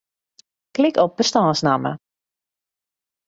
Klik op bestânsnamme.